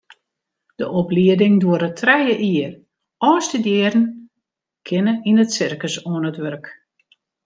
De oplieding duorret trije jier, ôfstudearren kinne yn it sirkus oan it wurk.